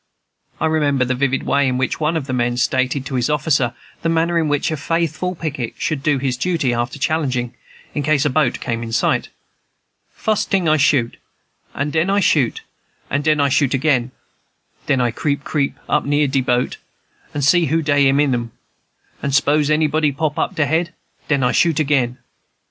I remember the vivid way in which one of the men stated to his officer the manner in which a faithful picket should do his duty, after challenging, in case a boat came in sight. "Fus' ting I shoot, and den I shoot, and den I shoot again. Den I creep creep up near de boat, and see who dey in 'em; and s'pose anybody pop up he head, den I shoot again.